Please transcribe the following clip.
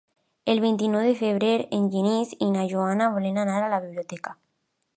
El vint-i-nou de febrer en Genís i na Joana volen anar a la biblioteca.